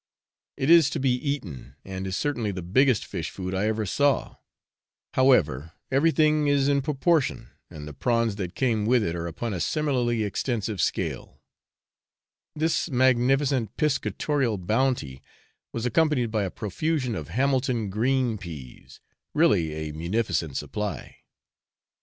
It is to be eaten, and is certainly the biggest fish food I ever saw; however, everything is in proportion, and the prawns that came with it are upon a similarly extensive scale; this magnificent piscatorial bounty was accompanied by a profusion of Hamilton green peas, really a munificent supply.